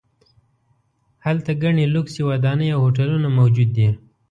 هلته ګڼې لوکسې ودانۍ او هوټلونه موجود دي.